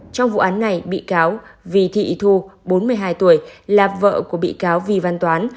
trong vụ án này bị cáo vì thị thu bốn mươi hai tuổi là vợ của bị cáo vì văn toán